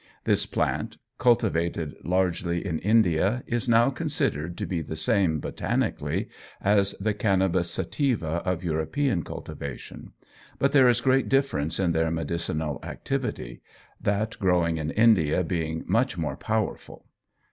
This plant, cultivated largely in India, is now considered to be the same, botanically, as the Cannabis sativa of European cultivation; but there is great difference in their medicinal activity, that growing in India being much more powerful.